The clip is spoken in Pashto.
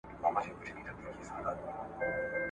موږ بايد هره ورځ لږ وخت کتاب ته ورکړو چي پوهي مو زياته سي `